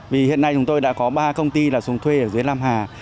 vì hiện nay chúng tôi đã có ba công ty là xuống thuê ở dưới lam hà